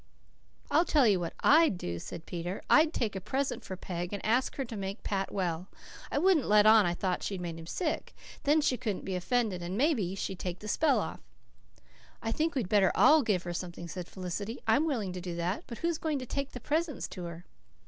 "I'll tell you what I'D do," said Peter. "I'd take a present for Peg, and ask her to make Pat well. I wouldn't let on I thought she'd made him sick. Then she couldn't be offended and maybe she'd take the spell off." "I think we'd better all give her something," said Felicity. "I'm willing to do that. But who's going to take the presents to her?"